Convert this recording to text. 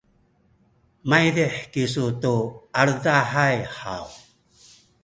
maydih kisu tu aledahay haw?